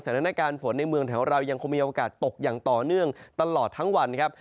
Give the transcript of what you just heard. สถานการณ์ฝนในเมืองแถวเรายังคงมีโอกาสตกอย่างต่อเนื่องตลอดทั้งวันครับ